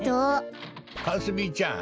かすみちゃん